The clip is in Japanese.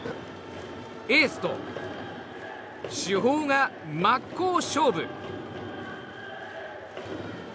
エースと主砲が真っ向勝負！